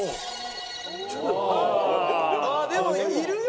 ああでもいるよ